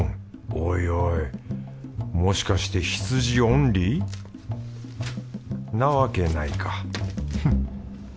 おいおいもしかして羊オンリー？なわけないかフッ。